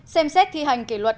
hai xem xét thi hành kỷ luật